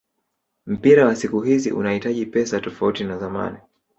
Mpira wa siku hizi unahitaji pesa tofauti na zamani